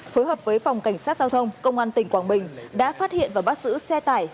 phối hợp với phòng cảnh sát giao thông công an tỉnh quảng bình đã phát hiện và bắt giữ xe tải